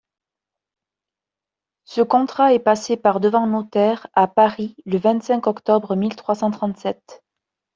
Ce contrat est passé par-devant notaire à Paris le vingt-cinq octobre mille trois cent trente-sept.